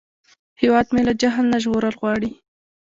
هیواد مې له جهل نه ژغورل غواړي